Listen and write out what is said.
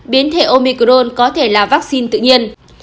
biến thể omicron có thể là vaccine tự nhiên